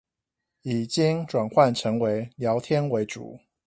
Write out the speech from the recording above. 已經轉換成為聊天為主